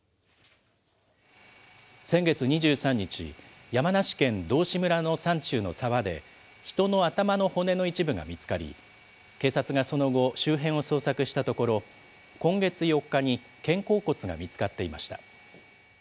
先月２３日、山梨県道志村の山中の沢で、人の頭の骨の一部が見つかり、警察がその後、周辺を捜索したところ、今月４日に肩甲骨が見つかっていました。